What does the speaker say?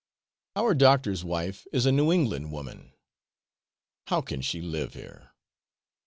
Our doctor's wife is a New England woman; how can she live here?